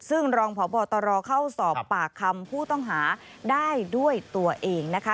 ซึ่งรองพบตรเข้าสอบปากคำผู้ต้องหาได้ด้วยตัวเองนะคะ